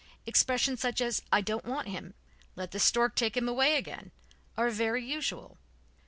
Expressions such as "I don't want him! Let the stork take him away again," are very usual.